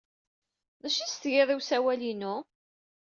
D acu ay as-tgid i usawal-inu?